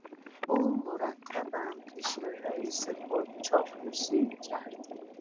او مرتبا پیش رئیس خود چاپلوسی میکرد.